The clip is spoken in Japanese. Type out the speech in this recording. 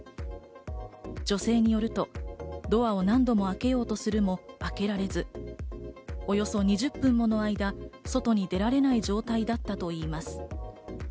女性によると、ドアを何度も開けようとするも開けられず、およそ２０分もの間、外に出られない状態だったといいます。